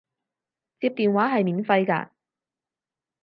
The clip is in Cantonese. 接電話係免費㗎